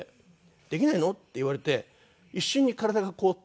「できないの？」って言われて一瞬に体が凍って。